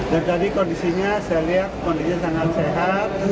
dan tadi kondisinya saya lihat kondisinya sangat sehat